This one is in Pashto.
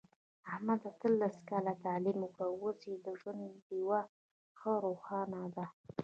احمد اتلس کاله تعلیم وکړ، اوس یې د ژوند ډېوه ښه روښانه ده.